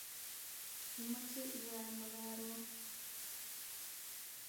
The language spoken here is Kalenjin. Imache iwe ano karoon?